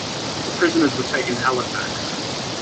The prisoners were taken to Halifax.